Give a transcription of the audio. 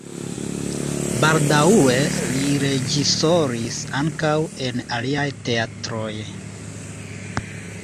Baldaŭe li reĝisoris ankaŭ en aliaj teatroj.